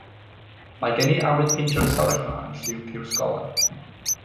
Mae gen i awydd paentio'r stafell yma yn lliw piws golau.